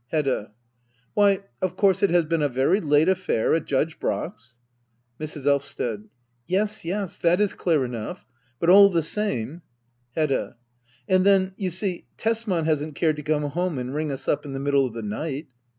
Hedda. Why, of course it has been a very late affair at Judge Brack's Mrs. Elvsted. Yes, yes^— that is clear enough. But all the same Hedda. And then, you see, Tesman hasn't cared to come home and ring us up in the middle of the night.